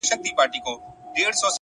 د تمرکز دوام بریا ته لاره هواروي،